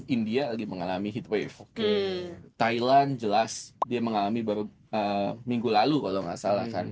india lagi mengalami heatway thailand jelas dia mengalami baru minggu lalu kalau nggak salah kan